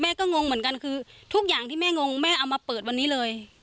งงเหมือนกันคือทุกอย่างที่แม่งงแม่เอามาเปิดวันนี้เลย